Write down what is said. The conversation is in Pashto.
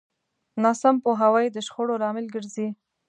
ناسم پوهاوی د شخړو لامل ګرځي.